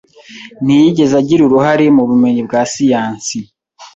Ntiyigeze agira uruhare mu bumenyi bwa siyansi